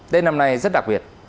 tết năm nay rất đặc biệt